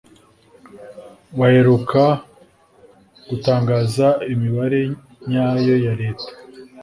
baheruka gutangaza imibare nyayo ya leta